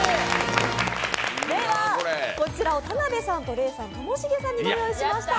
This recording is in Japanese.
こちらを田辺さんとレイさん、ともしげさんにご用意しました。